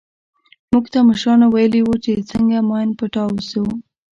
موږ ته مشرانو ويلي وو چې څنگه ماين پټاو سو.